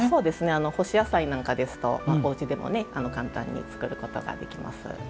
干し野菜なんかですとおうちでも簡単に作ることができます。